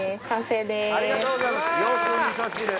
完成です。